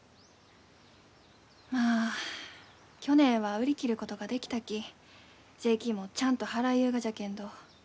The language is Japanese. まあ去年は売り切ることができたき税金もちゃんと払いゆうがじゃけんど。